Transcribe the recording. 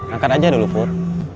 angkat aja dulu pur